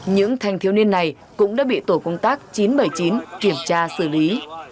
những thanh thiếu niên này cũng đã bị tổ công tác chín trăm bảy mươi chín kiểm tra xử lý